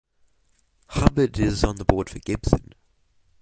Hubbard is on the board for Gibson.